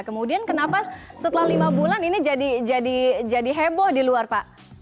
kemudian kenapa setelah lima bulan ini jadi heboh di luar pak